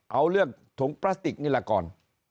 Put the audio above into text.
เอาเรื่องถุงพลาสติกนี่แหละก่อน